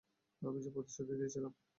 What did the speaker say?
আমি যে প্রতিশ্রুতি দিয়েছিলাম।